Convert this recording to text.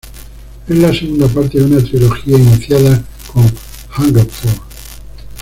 Es la segunda parte de una trilogía iniciada con Hungerford.